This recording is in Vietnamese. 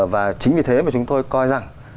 và chính vì thế mà chúng tôi coi rằng